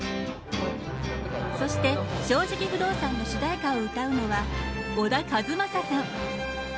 そして「正直不動産」の主題歌を歌うのは小田和正さん。